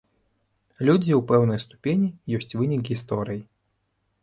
Людзі ў пэўнай ступені ёсць вынік гісторыі.